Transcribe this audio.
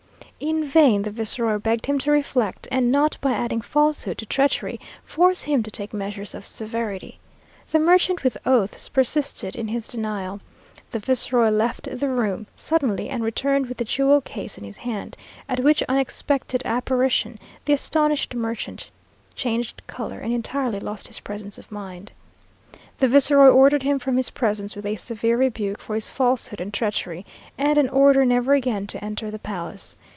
In vain the viceroy begged him to reflect, and not, by adding falsehood to treachery, force him to take measures of severity. The merchant with oaths persisted in his denial. The viceroy left the room suddenly, and returned with the jewel case in his hand; at which unexpected apparition, the astonished merchant changed colour, and entirely lost his presence of mind. The viceroy ordered him from his presence, with a severe rebuke for his falsehood and treachery, and an order never again to enter the palace.